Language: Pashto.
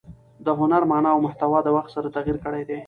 د هنر مانا او محتوا د وخت سره تغیر کړی دئ.